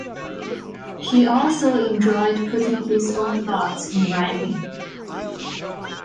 He also enjoyed putting his own thoughts in writing.